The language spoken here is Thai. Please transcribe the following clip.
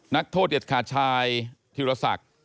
นักโทษเด็ดขาดชายธิรศักดิ์